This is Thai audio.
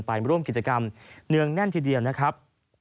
ไปร่วมกิจกรรมเนืองแน่นทีเดียวนะครับ